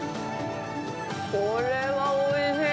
これはおいしい。